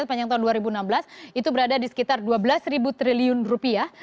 sepanjang tahun dua ribu enam belas itu berada di sekitar dua belas triliun rupiah